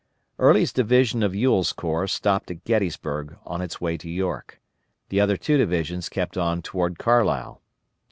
Early's division of Ewell's corps stopped at Gettysburg on its way to York. The other two divisions kept on toward Carlisle.